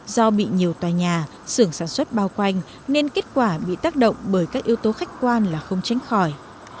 do bị nhiều tòa nhà xưởng sản xuất bao quanh nên kết quả bị tác động bởi các yếu tố khách quan là không tránh khỏi